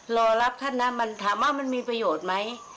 รอลากับท่านบ้างถามว่ามันมีประโยชน์ไหม